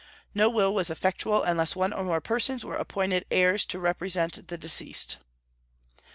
No will was effectual unless one or more persons were appointed heirs to represent the deceased.